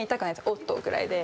おっとぐらいで。